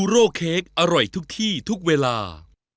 อร็าก